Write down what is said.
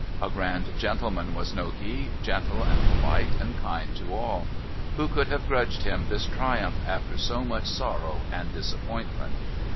A grand gentleman was Nogi, gentle and polite and kind to all. Who could have grudged him this triumph after so much sorrow and disappointment?